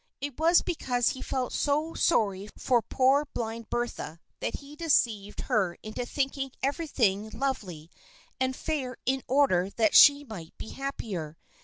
It was because he felt so sorry for poor blind Bertha that he deceived her into thinking everything lovely and fair in order that she might be happier.